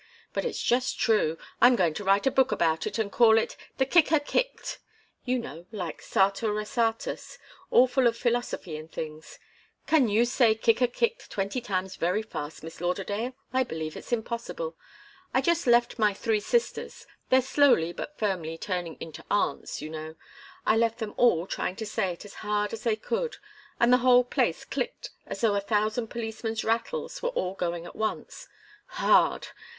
But it's just true. I'm going to write a book about it and call it 'The Kicker Kicked' you know, like Sartor Resartus all full of philosophy and things. Can you say 'Kicker Kicked' twenty times very fast, Miss Lauderdale? I believe it's impossible. I just left my three sisters they're slowly but firmly turning into aunts, you know I left them all trying to say it as hard as they could, and the whole place clicked as though a thousand policemen's rattles were all going at once hard!